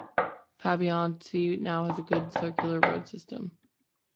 Pabianice now has a good circular road system.